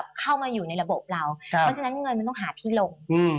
เพราะฉะนั้นเงินมันต้องหาที่ลง